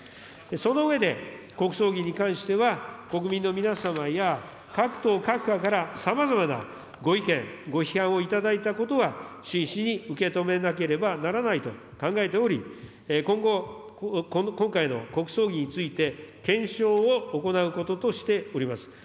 その上で、国葬儀に関しては、国民の皆様や各党、各派からさまざまなご意見、ご批判を頂いたことは、真摯に受け止めなければならないと考えており、今後、今回の国葬儀について検証を行うこととしております。